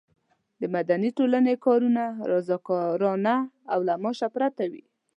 د مدني ټولنې کارونه رضاکارانه او له معاش پرته وي.